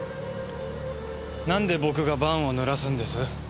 なんで僕が盤を濡らすんです？